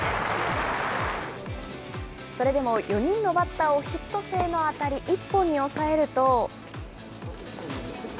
それでも４人のバッターをヒット性の当たり１本に抑えると。